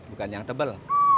bukan yang tebal